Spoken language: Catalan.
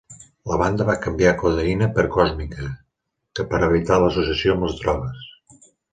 La banda va canviar "codeïna" per "còsmica" per evitar l'associació amb les drogues.